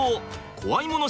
怖いもの